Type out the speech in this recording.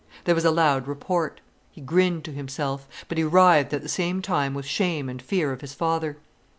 There was a loud report. He grinned to himself. But he writhed at the same time with shame and fear of his father.